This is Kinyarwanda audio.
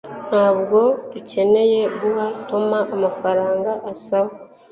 Ntabwo dukeneye guha Tom amafaranga asaba